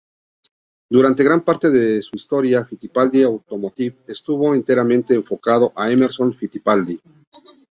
Durante gran parte de su historia Fittipaldi Automotive estuvo enteramente enfocado en Emerson Fittipaldi.